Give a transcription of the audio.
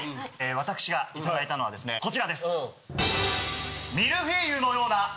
私が頂いたのはですねこちらです。